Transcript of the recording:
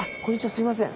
すいません。